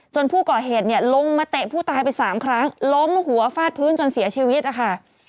ผู้ก่อเหตุเนี่ยลงมาเตะผู้ตายไปสามครั้งล้มหัวฟาดพื้นจนเสียชีวิตนะคะ